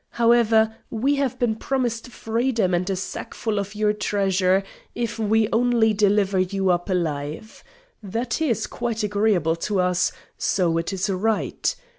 However, we have been promised freedom and a sackful of your treasure if we only deliver you up alive. That is quite agreeable to us; so it is right.